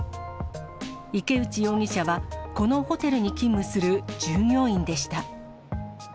池内容疑者は、このホテルに勤務する従業員でした。